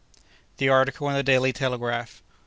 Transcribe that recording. The Article in the Daily Telegraph.